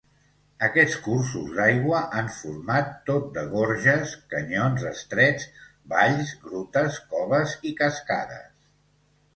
Aquests cursos d'aigua han format tot de gorges, canyons estrets, valls, grutes, coves i cascades.